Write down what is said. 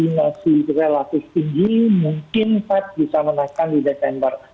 masih relatif tinggi mungkin fed bisa menaikkan di desember